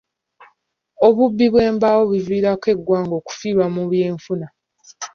Obubbi bw'embaawo buviirako eggwanga okufiirwa mu byenfuna.